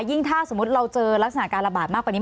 ถ้าสมมุติเราเจอลักษณะการระบาดมากกว่านี้